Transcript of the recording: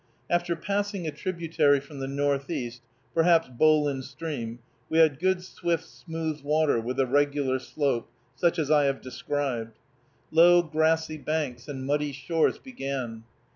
After passing a tributary from the northeast, perhaps Bowlin Stream, we had good swift smooth water, with a regular slope, such as I have described. Low, grassy banks and muddy shores began.